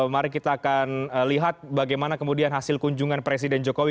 mari kita akan lihat bagaimana kemudian hasil kunjungan presiden jokowi